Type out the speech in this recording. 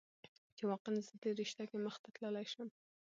چې واقعا زه دې رشته کې مخته تللى شم.